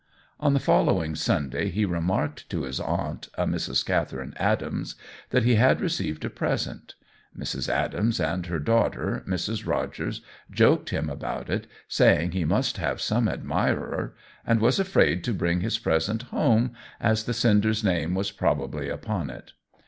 On the following Sunday he remarked to his aunt, a Mrs. Catherine Adams, that he had received a present. Mrs. Adams and her daughter Mrs. Rogers joked him about it, saying he must have some admirer, and was afraid to bring his present home, as the sender's name was probably upon it.